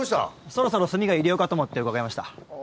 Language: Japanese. そろそろ炭が入り用かと思って伺いました。